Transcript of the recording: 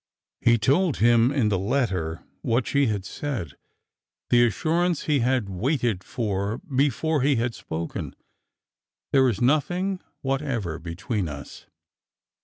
He told him in the letter what she had said— the assurance he had waited for before he had spoken— " There is nothing whatever between us."